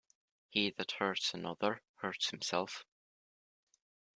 He that hurts another, hurts himself.